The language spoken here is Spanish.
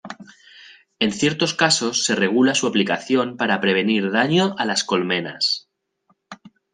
En ciertos casos se regula su aplicación para prevenir daño a las colmenas.